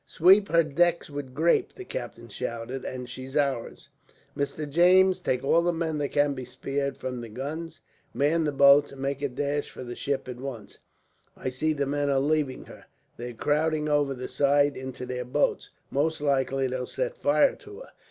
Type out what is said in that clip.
"Sweep her decks with grape," the captain shouted, "and she's ours. "Mr. James, take all the men that can be spared from the guns, man the boats, and make a dash for the ship at once. I see the men are leaving her. They're crowding over the side into their boats. Most likely they'll set fire to her.